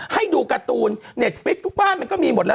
ให้ดูการ์ตูนเน็ตฟิกทุกบ้านมันก็มีหมดแล้ว